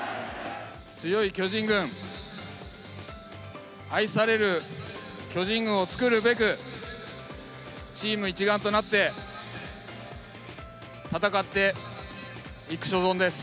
強い巨人軍、愛される巨人軍を作るべく、チーム一丸となって、戦っていく所存です。